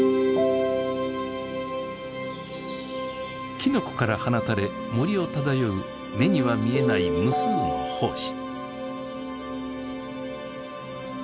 きのこから放たれ森を漂う目には見えない無数の胞子。